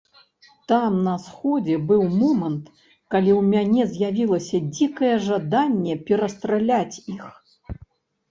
Там на сходзе быў момант, калі ў мяне з'явілася дзікае жаданне перастраляць іх.